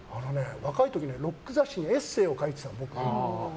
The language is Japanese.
若い時はロック雑誌にエッセーを書いてたの。